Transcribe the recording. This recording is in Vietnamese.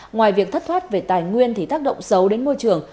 ngoài việc thất thoát về tài nguyên thì tác động xấu đến môi trường